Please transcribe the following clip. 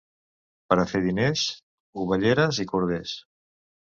Per a fer diners, ovelleres i corders.